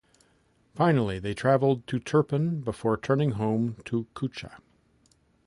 Finally, they travelled to Turpan before returning home to Kucha.